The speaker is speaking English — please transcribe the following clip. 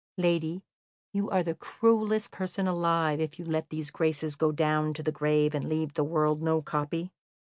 "Lady, you are the cruellest person alive if you let these graces go down to the grave and leave the world no copy."